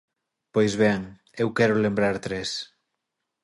Pois ben, eu quero lembrar tres.